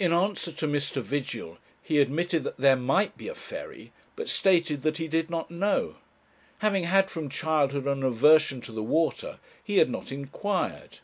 In answer to Mr. Vigil he admitted that there might be a ferry, but stated that he did not know. Having had, from childhood, an aversion to the water, he had not inquired.